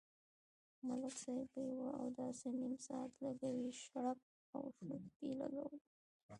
ملک صاحب په یوه اوداسه نیم ساعت لگوي، شړپ او شړوپ یې لگولی وي.